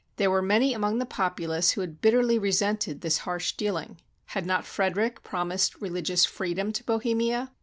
There were many among the populace who had bitterly resented this harsh deahng. Had not Frederick promised religious freedom to Bohemia?